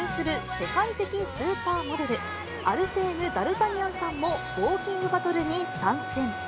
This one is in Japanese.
世界的スーパーモデル、アルセーヌ・ダルタニアンさんもウオーキングバトルに参戦。